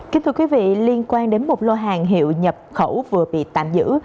kính thưa quý vị liên quan đến một lô hàng hiệu nhập khẩu vừa bị tạm giữ